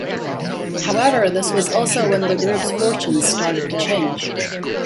However, this was also when the group's fortunes started to change.